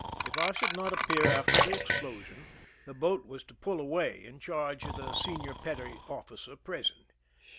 If I should not appear after the explosion, the boat was to pull away in charge of the senior petty officer present.